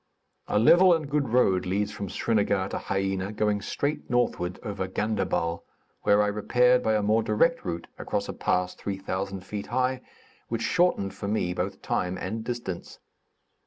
A level and good road leads from Srinagar to Haïena, going straight northward over Ganderbal, where I repaired by a more direct route across a pass three thousand feet high, which shortened for me both time and distance.